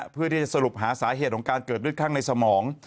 เพื่อที่จะสรุปหาสาเหตุของการเกิดเลือดข้างในสมอง